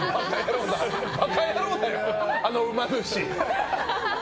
バカ野郎だよ、あのうま主。